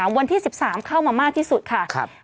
วันที่๑๓เข้ามามากที่สุดค่ะ